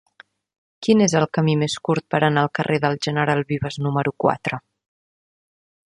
Quin és el camí més curt per anar al carrer del General Vives número quatre?